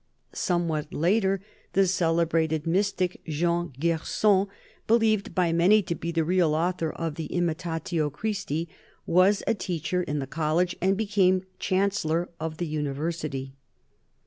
Somewhat later, the celebrated mystic, Jean Gerson, believed by many to be the real author of the Imitatio Chrtsti, was a teacher in the college and became Chancellor of the University.